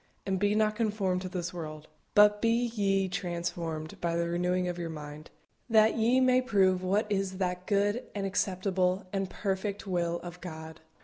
And be not conformed to this world: but be ye transformed by the renewing of your mind, that ye may prove what is that good, and acceptable, and perfect will of God.